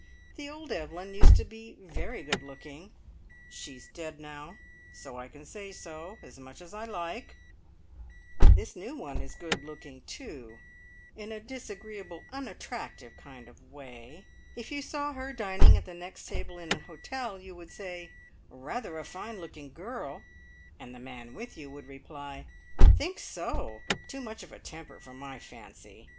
The old Evelyn used to be very good looking (she's dead now, so I can say so, as much as I like) this new one is good looking too, in a disagreeable, unattractive kind of way. If you saw her dining at the next table in an hotel you would say, "Rather a fine looking girl!" And the man with you would reply, "Think so! Too much of a temper for my fancy.